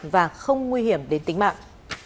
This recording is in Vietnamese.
và không nguy hiểm đến tính mạng